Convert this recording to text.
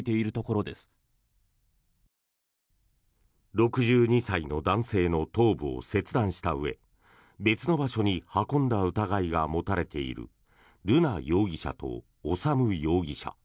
６２歳の男性の頭部を切断したうえ別の場所に運んだ疑いが持たれている瑠奈容疑者と修容疑者。